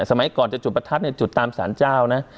สมัยก่อนจะจุดประทัดจุดตามศาลเจ้านะ